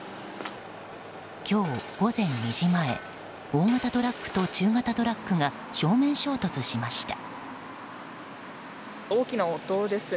今日、午前２時前大型トラックと中型トラックが正面衝突しました。